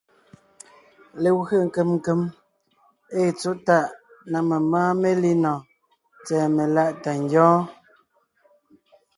Legwé nkèm nkèm ée tsɔ̌ tàʼ na memáa melínɔɔn tsɛ̀ɛ meláʼ tà ngyɔ́ɔn.